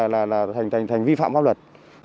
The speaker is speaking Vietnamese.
là thành pháp luật